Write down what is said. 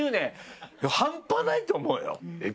半端ないと思うよ。